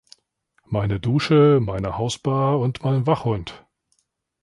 Meine Dusche, meine Hausbar und mein Wachhund!